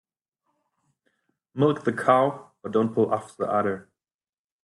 Milk the cow but don't pull off the udder.